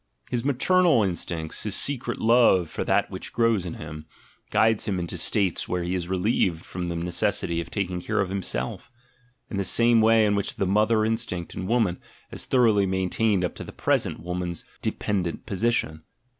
His "maternal" instinct, his secret love for that which grows in him, guides him into states where he is relieved from the necessity of taking care of himself, in the same way in which the "mother" instinct in woman has thoroughly maintained up to the present woman's dependent position.